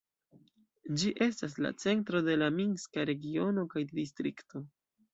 Ĝi estas la centro de la minska regiono kaj de distrikto.